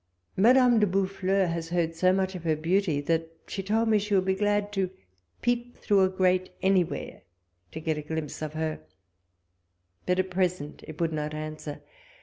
Madame de Boufflers has heard so much of her beauty, that she told me she should be glad to peep through a grate anywhere to get a glimpse of her— but at present it would not answer.